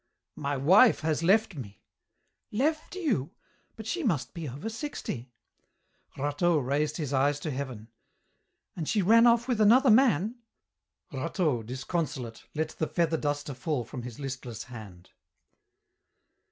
"My wife has left me." "Left you! but she must be over sixty." Rateau raised his eyes to heaven. "And she ran off with another man?" Rateau, disconsolate, let the feather duster fall from his listless hand.